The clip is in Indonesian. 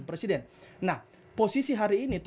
presiden nah posisi hari ini